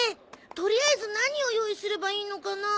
とりあえず何を用意すればいいのかな？